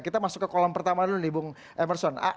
kita masuk ke kolam pertama dulu nih bung emerson